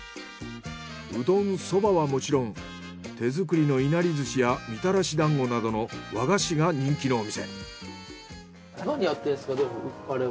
うどんそばはもちろん手作りのいなり寿司やみたらしだんごなどの和菓子が人気のお店。